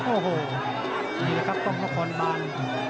โอ้โหนี่แหละครับกรรมกรบาล